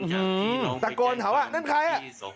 หือตะโกนถามว่านั่นใคร